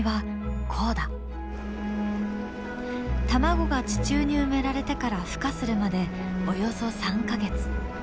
卵が地中に埋められてからふ化するまでおよそ３か月。